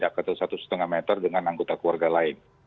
satu meter paling tidak atau satu setengah meter dengan anggota keluarga lain